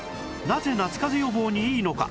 なぜ夏かぜ予防にいいのか？